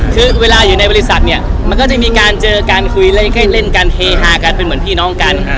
คือเวลาอยู่ในบริษัทเนี่ยมันก็จะมีการเจอกันคุยให้เล่นกันเฮฮากันเป็นเหมือนพี่น้องกัน